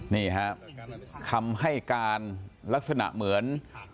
นี่ครับคำให้การลักษณะเหมือน